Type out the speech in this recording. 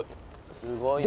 すごいね。